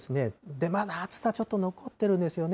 でもまだ暑さちょっと残ってるんですよね。